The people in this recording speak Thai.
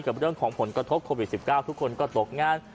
กับเรื่องของผลกระทบโควิด๑๙ทุกคนก็ตกงาน